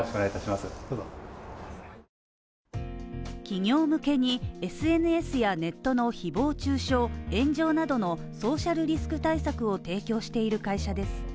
企業向けに、ＳＮＳやネットの誹謗中傷炎上などのソーシャルリスク対策を提供している会社です。